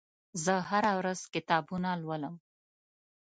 زه هره ورځ کتابونه لولم.